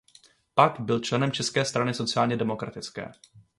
Pak byl členem České strany sociálně demokratické.